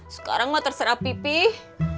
sekarang mah terserah pipih